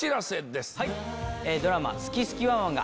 ドラマ。